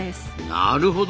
なるほど！